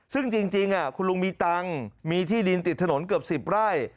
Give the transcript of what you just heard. ซึ่งจริงคุณลุงมีตังค์มีที่ดินติดถนนเกือบ๑๐ไร่